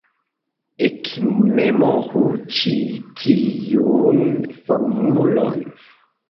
Ekmemoru ĉi tiun formulon.